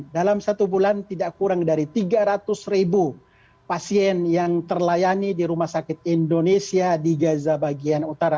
dalam satu bulan tidak kurang dari tiga ratus ribu pasien yang terlayani di rumah sakit indonesia di gaza bagian utara